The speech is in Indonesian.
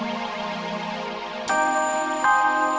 bukan pak bukan ini anak saya